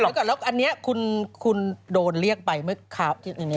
แล้วก็แล้วอันนี้คุณโดนเรียกไปไหมครับ